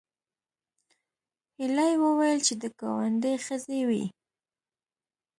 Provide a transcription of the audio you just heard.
هیلې وویل چې د ګاونډي ښځې وې